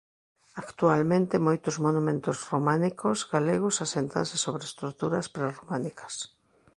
Actualmente moitos monumentos románicos galegos aséntanse sobre estruturas prerrománicas.